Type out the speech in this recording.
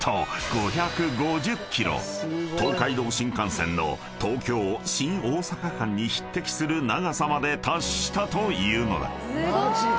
［東海道新幹線の東京新大阪間に匹敵する長さまで達したというのだ］